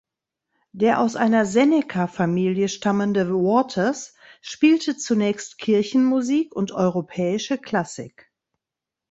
Der aus einer Seneca-Familie stammende Waters spielte zunächst Kirchenmusik und europäische Klassik.